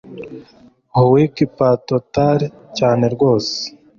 Huic potatori cyane rwose